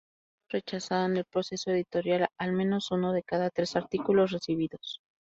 Siendo rechazado en el proceso editorial al menos uno de cada tres artículos recibidos.